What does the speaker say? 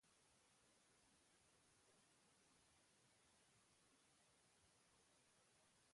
Mozal legea indarrean sartu zenetik urtea bete da.